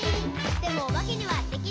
「でもおばけにはできない。」